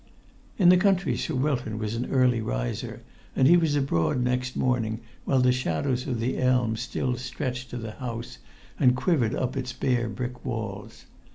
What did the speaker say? In the country Sir Wilton was an early riser, and he was abroad next morning while the shadows of the elms still stretched to the house and quivered up its bare brick walls.